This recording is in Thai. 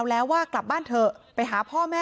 คำให้การในกอล์ฟนี่คือคำให้การในกอล์ฟนี่คือ